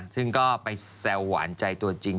ซึ่งก็ไปแซวหวานใจตัวจริง